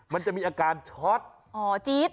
มันจะมีอาการช็อต